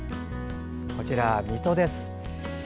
こちらは水戸です。